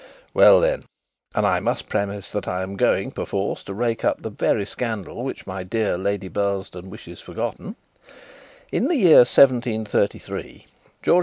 Well then and I must premise that I am going, perforce, to rake up the very scandal which my dear Lady Burlesdon wishes forgotten in the year 1733, George II.